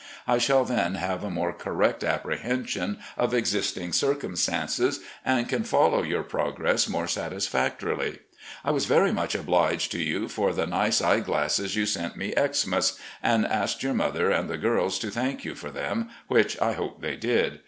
I shall then have a more correct apprehension of existing circumstances, and can follow your progress more satis factorily. I was very much obliged to you for the nice eye glasses you sent me Xmas, and asked your mother and the girls to thank you for them, which I hope they did.